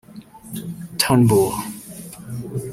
Turnbull